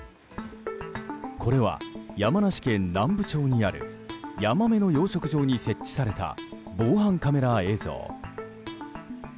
これは山梨県南部町にあるヤマメの養殖場に設置された防犯カメラ映像。